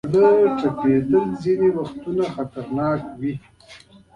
د زړه ټپېدل ځینې وختونه خطرناک وي.